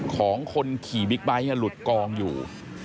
ของคนขี่บิ๊กไบท์หลุดกองอยู่